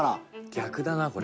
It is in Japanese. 逆だなこれ。